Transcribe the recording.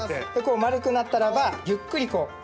丸くなったらばゆっくり。